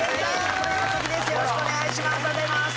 よろしくお願いします